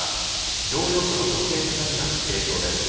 乗用車の女性２人が軽傷です。